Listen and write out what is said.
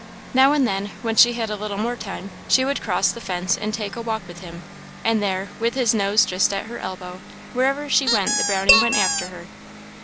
Now and then, when she had a little more time, she would cross the fence and take a walk with him; and there, with his nose just at her elbow, wherever she went the Brownie went after her.